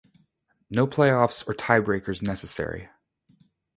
No playoffs or tie-breakers necessary.